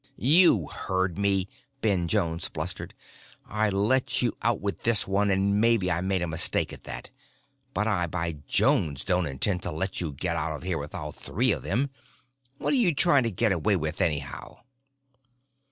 "You heard me!" Ben Jones blustered. "I let you out with this one, and maybe I made a mistake at that. But I by Jones don't intend to let you get out of here with all three of them. What are you trying to get away with anyhow?"